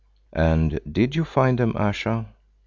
"And did you find them, Ayesha?"